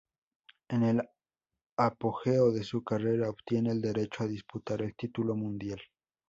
En el apogeo de su carrera, obtiene el derecho a disputar el título mundial.